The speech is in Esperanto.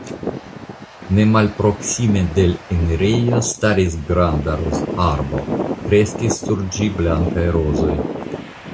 Ne malproksime de l enirejo staris granda rozarbo; kreskis sur ĝi blankaj rozoj.